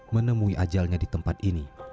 menemui ajalnya di tempat ini